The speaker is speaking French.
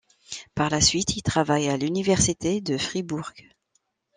Par la suite, il travaille à l'université de Fribourg.